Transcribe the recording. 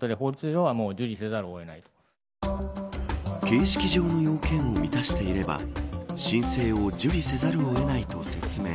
形式上の要件を満たしていれば申請を受理せざるをえないと説明。